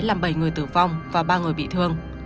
làm bảy người tử vong và ba người bị thương